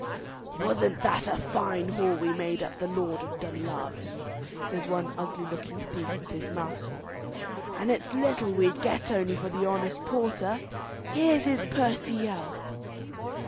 "Wasn't that a fine haul we made at the Lord of Dunlavin's!" says one ugly looking thief with his mouth full, "and it's little we'd get only for the honest porter! here's his purty health!"